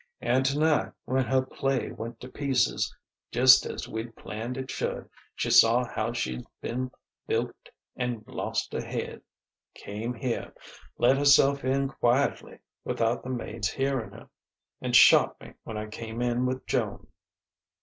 And tonight, when her play went to pieces, just as we'd planned it should, she saw how she'd been bilked and lost her head.... Came here, let herself in quietly, without the maid's hearing her, and shot me when I came in with Joan.